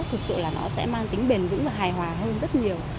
thực sự là nó sẽ mang tính bền vững và hài hòa hơn rất nhiều